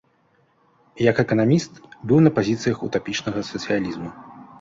Як эканаміст быў на пазіцыях утапічнага сацыялізму.